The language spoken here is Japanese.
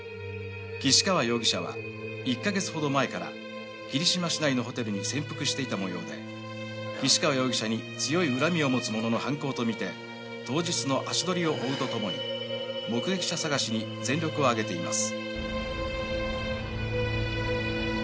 「岸川容疑者は１ヵ月ほど前から霧島市内のホテルに潜伏していたもようで岸川容疑者に強い恨みを持つ者の犯行と見て当日の足取りを追うとともに目撃者探しに全力を挙げています」